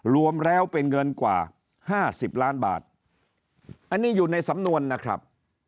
รวมแล้วเป็นเงินกว่า๕๐ล้านบาทอันนี้อยู่ในสำนวนนะครับ